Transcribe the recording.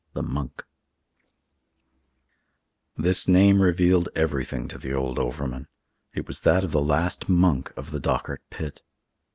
THE "MONK" This name revealed everything to the old overman. It was that of the last "monk" of the Dochart pit.